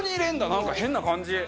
なんか変な感じ。